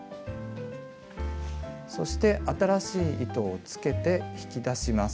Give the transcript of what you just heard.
そして新しい糸をつけて引き出します。